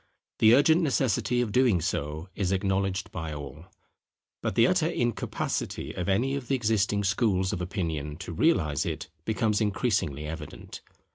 The urgent necessity of doing so is acknowledged by all; but the utter incapacity of any of the existing schools of opinion to realize it becomes increasingly evident.